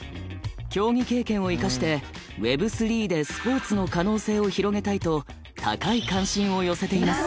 競技経験を生かしてＷｅｂ３でスポーツの可能性を広げたいと高い関心を寄せています。